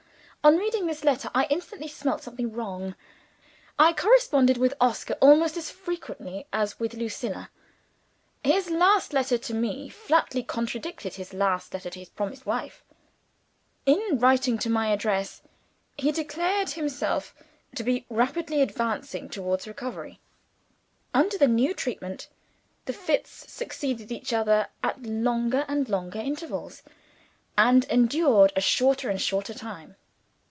On reading this letter, I instantly smelt something wrong. I corresponded with Oscar almost as frequently as with Lucilla. His last letter to me flatly contradicted his last letter to his promised wife. In writing to my address, he declared himself to be rapidly advancing towards recovery. Under the new treatment, the fits succeeded each other at longer and longer intervals, and endured a shorter and shorter time.